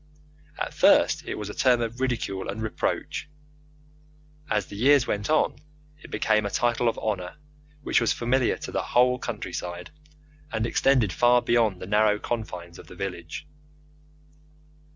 At first it was a term of ridicule and reproach; as the years went on it became a title of honour which was familiar to the whole countryside, and extended far beyond the narrow confines of the village.